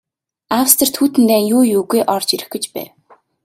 Австрид Хүйтэн дайн юу юугүй орж ирэх гэж байв.